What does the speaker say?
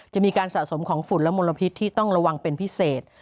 สะสมของฝุ่นและมลพิษที่ต้องระวังเป็นพิเศษ